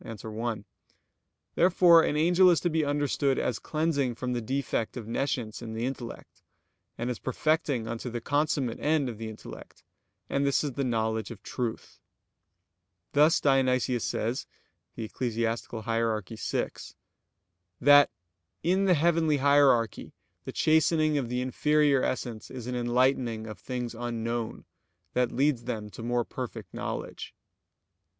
1); therefore an angel is to be understood as cleansing from the defect of nescience in the intellect; and as perfecting unto the consummate end of the intellect, and this is the knowledge of truth. Thus Dionysius says (Eccl. Hier. vi): that "in the heavenly hierarchy the chastening of the inferior essence is an enlightening of things unknown, that leads them to more perfect knowledge."